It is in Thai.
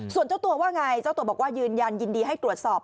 ส่วนเจ้าตัวว่าไงเจ้าตัวบอกว่ายืนยันยินดีให้ตรวจสอบ